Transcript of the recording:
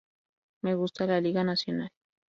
Me gusta la "Liga Nacional'.